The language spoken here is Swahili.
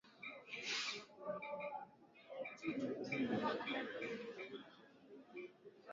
Vijidudu vya ugonjwa wa majimoyo husambazwa na kupe